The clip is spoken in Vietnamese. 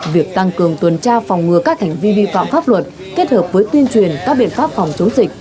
việc tăng cường tuần tra phòng ngừa các hành vi vi phạm pháp luật kết hợp với tuyên truyền các biện pháp phòng chống dịch